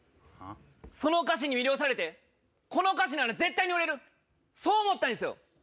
その歌詞に魅了されて、この歌詞なら絶対に売れる、そう思ったんですよ。